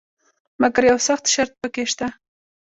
مګر یو سخت شرط پکې شته.